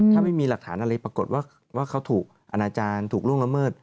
ถ้าไม่มีหลักฐานอะไรปรากฏว่าเขาถูกอนาจารย์ถูกล่วงละเมิด